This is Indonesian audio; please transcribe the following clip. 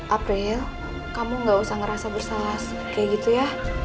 april kamu gak usah ngerasa bersalah kayak gitu ya